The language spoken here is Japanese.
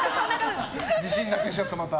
自信なくしちゃった、また。